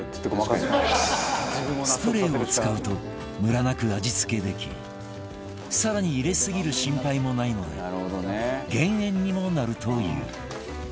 スプレーを使うとムラなく味付けでき更に入れすぎる心配もないので減塩にもなるという